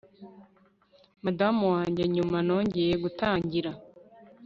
Madamu wanjye nyuma nongeye gutangira